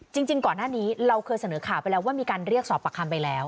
จริงก่อนหน้านี้เราเคยเสนอข่าวไปแล้วว่ามีการเรียกสอบประคำไปแล้ว